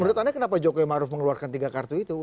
menurut anda kenapa jokowi maruf mengeluarkan tiga kartu itu